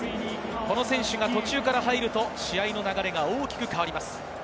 この選手が途中から入ると試合の流れが大きく変わります。